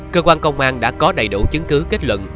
cơ quan công an đã có đầy đủ chứng cứ kết luận